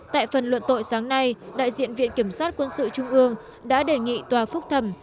tại phần luận tội sáng nay đại diện viện kiểm sát quân sự trung ương đã đề nghị tòa phúc thẩm